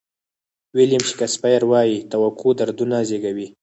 ویلیام شکسپیر وایي توقع دردونه زیږوي.